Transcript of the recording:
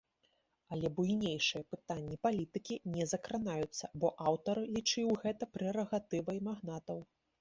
Але буйнейшыя пытанні палітыкі не закранаюцца, бо аўтар лічыў гэта прэрагатывай магнатаў.